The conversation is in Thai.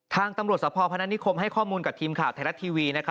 ทางตำรวจสภพนิคมให้ข้อมูลกับทีมข่าวไทยรัฐทีวี